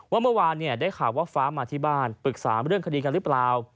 เมื่อวานได้ข่าวว่าฟ้ามาที่บ้านปรึกษาเรื่องคดีกันหรือเปล่า